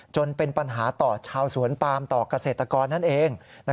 จนเป็นปัญหาต่อชาวสวนปามต่อเกษตรกรนั่นเอง